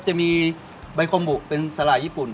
จะมีใบโกหมุเป็นสลายญี่ปุ่น